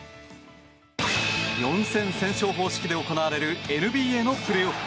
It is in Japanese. ４戦先勝方式で行われるＮＢＡのプレーオフ。